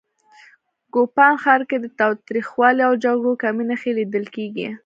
کوپان ښار کې د تاوتریخوالي او جګړو کمې نښې لیدل کېږي